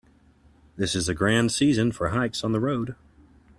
This is a grand season for hikes on the road.